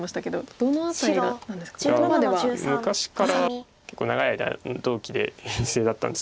昔から結構長い間同期で院生だったんですけど。